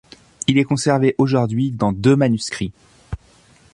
Il est conservé aujourd'hui dans deux manuscrits.